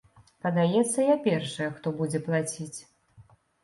Падаецца, я першая, хто будзе плаціць.